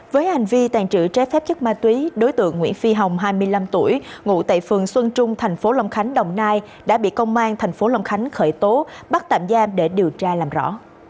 với hành vi tàn trữ trái phép chất ma túy đối tượng nguyễn phi hồng hai mươi năm tuổi ngụ tại phường xuân trung thành phố long khánh đồng nai đã bị công an tp long khánh khởi tố bắt tạm giam để điều tra làm rõ